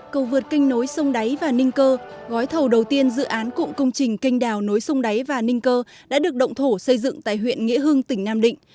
cầu vượt kênh nối sông đáy và ninh cơ gói thầu đầu tiên dự án cụm công trình canh đào nối sông đáy và ninh cơ đã được động thổ xây dựng tại huyện nghĩa hưng tỉnh nam định